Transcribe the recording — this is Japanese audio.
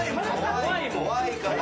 怖いから。